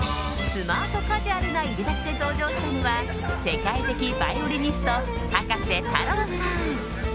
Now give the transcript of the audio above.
スマートカジュアルないでたちで登場したのは世界的バイオリニスト葉加瀬太郎さん。